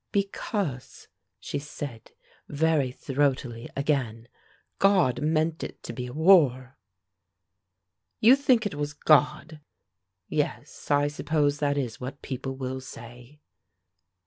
"Because," she said, very throatily again, "God meant it to be war." "You think it was God? Yes, I suppose that is what people will say."